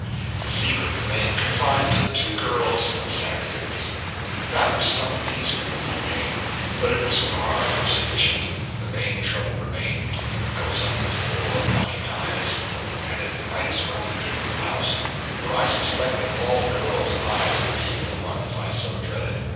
The secret remained confined to the two girls and Sandy and me. That was some appeasement of my pain, but it was far from sufficient the main trouble remained: I was under four mocking eyes, and it might as well have been a thousand, for I suspected all girls' eyes of being the ones I so dreaded.